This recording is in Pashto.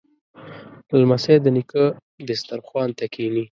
لمسی د نیکه دسترخوان ته کیني.